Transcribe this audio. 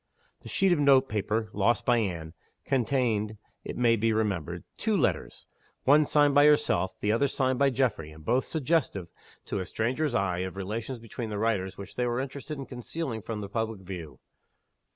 The sheet of note paper, lost by Anne, contained, it may be remembered, two letters one signed by herself; the other signed by Geoffrey and both suggestive, to a stranger's eye, of relations between the writers which they were interested in concealing from the public view.